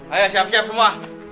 ayo siap siap semua